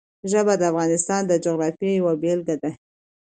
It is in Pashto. ژبې د افغانستان د جغرافیې یوه بېلګه ده.